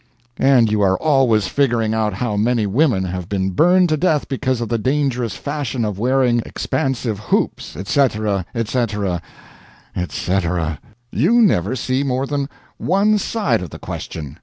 And you are always figuring out how many women have been burned to death because of the dangerous fashion of wearing expansive hoops, etc., etc., etc. You never see more than one side of the question.